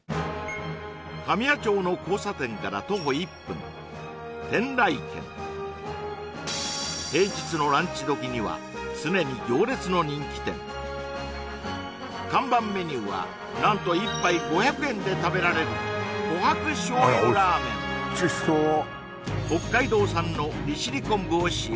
神谷町の交差点から徒歩１分天雷軒平日のランチ時には常に行列の人気店看板メニューは何と１杯５００円で食べられる北海道産の利尻昆布を使用